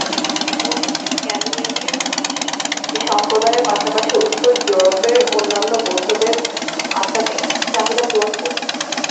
মন্দিরটি স্ক্যান্ডিনেভিয়ার বিশিষ্ট থাই সম্প্রদায়ের পাশাপাশি উত্তর ইউরোপের অন্যান্য বৌদ্ধদের আধ্যাত্মিক চাহিদা পূরণ করবে।